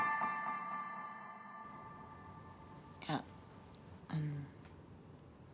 いやあの。